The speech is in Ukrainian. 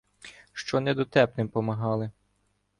Що недотепним помагали